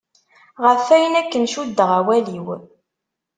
Ɣef ayen aken cuddeɣ awal-iw.